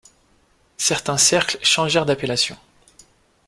Certains cercles changèrent d’appellation.